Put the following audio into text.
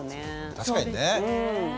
確かにね。